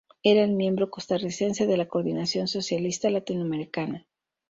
Era el miembro costarricense de la Coordinación Socialista Latinoamericana.